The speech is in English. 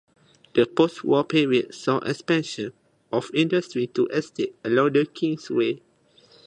The post war period saw expansion of industry to estates along the Kingsway.